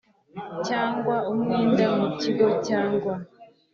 cyangwa umwenda mu kigo cyangwa